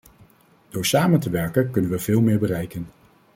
Door samen te werken kunnen we veel meer bereiken.